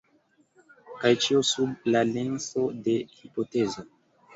Kaj ĉio sub la lenso de hipotezo.